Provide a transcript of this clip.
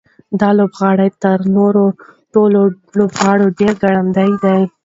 دا لوبغاړی تر نورو ټولو لوبغاړو ډېر ګړندی دی.